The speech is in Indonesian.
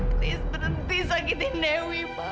please berhenti sakitin dewi pa